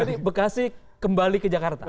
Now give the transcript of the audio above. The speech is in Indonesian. bekasi kembali ke jakarta